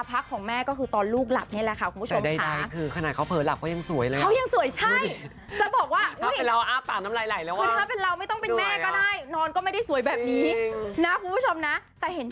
ทั้งแม่ทั้งลูกหลับไปพร้อมกันตัวติดกันตลอด